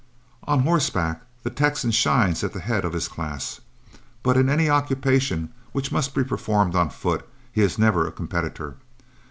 On horseback the Texan shines at the head of his class, but in any occupation which must be performed on foot he is never a competitor.